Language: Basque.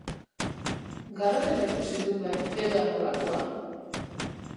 Garapena ikusi dut bai, eta nolakoa!